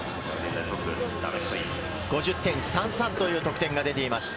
５０．３３という得点が出ています。